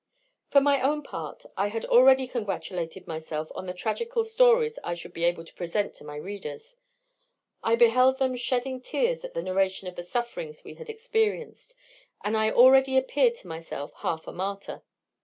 For my own part, I had already congratulated myself on the tragical stories I should be able to present to my readers; I beheld them shedding tears at the narration of the sufferings we had experienced, and I already appeared to myself half a martyr.